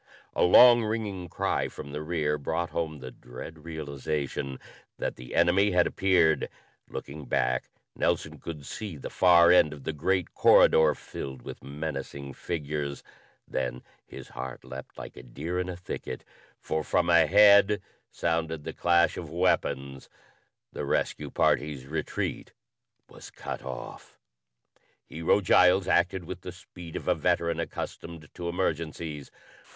A long ringing cry from the rear brought home the dread realization that the enemy had appeared. Looking back, Nelson could see the far end of the great corridor filled with menacing figures. Then his heart leaped like a deer in a thicket, for from ahead sounded the clash of weapons! The rescue party's retreat was cut off! Hero Giles acted with the speed of a veteran accustomed to emergencies.